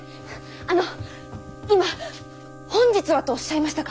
あの今「本日は」とおっしゃいましたか？